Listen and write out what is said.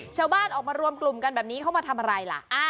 ชาวบ้านออกมารวมกลุ่มกันแบบนี้เข้ามาทำอะไรล่ะ